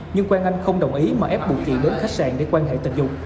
nhưng quang anh không đồng ý mà ép buộc chị đến khách sạn để quan hệ tình dục